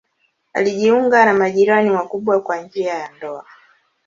Alijiunga na majirani wakubwa kwa njia ya ndoa.